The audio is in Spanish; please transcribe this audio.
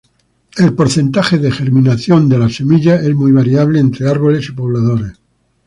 El porcentaje de germinación de las semillas es muy variable entre árboles y poblaciones.